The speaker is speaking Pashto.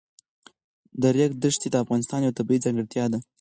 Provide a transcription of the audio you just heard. د ریګ دښتې د افغانستان یوه طبیعي ځانګړتیا ده.